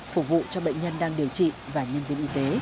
phục vụ cho bệnh nhân đang điều trị và nhân viên y tế